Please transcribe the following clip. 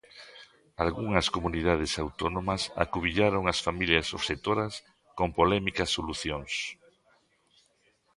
Algunhas comunidades autónomas acubillaron as familias obxectoras con polémicas solucións.